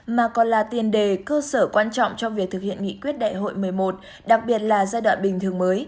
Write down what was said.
mà còn là tiền đề cơ sở quan trọng trong việc thực hiện nghị quyết đại hội một mươi một đặc biệt là giai đoạn bình thường mới